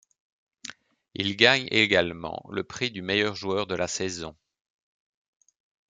Il gagne également le prix du meilleur joueur de la saison.